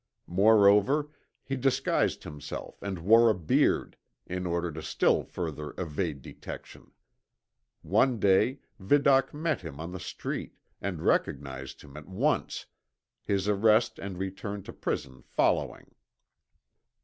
Moreover he disguised himself and wore a beard, in order to still further evade detection. One day Vidocq met him on the street, and recognized him at once, his arrest and return to prison following.